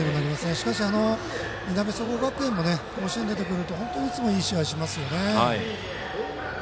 しかし、いなべ総合学園も甲子園に出てくると、本当にいつも、いい試合をしますよね。